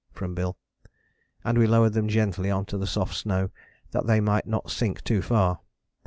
from Bill; and we lowered them gently on to the soft snow, that they might not sink too far.